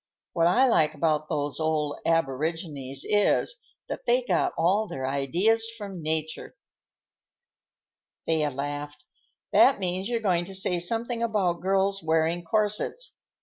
What I like about those old aborigines is, that they got all their ideas from nature." Thea laughed. "That means you're going to say something about girls' wearing corsets.